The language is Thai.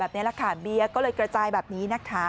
แบบนี้แหละค่ะเบียร์ก็เลยกระจายแบบนี้นะคะ